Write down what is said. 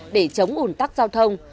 để chống ủn tắc giao thông